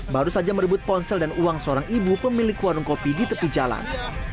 baru saja merebut ponsel dan uang seorang ibu pemilik warung kopi di tepi jalan